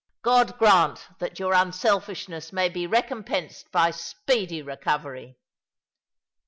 God grant that your unselfishness may be recompensed by speedy recovery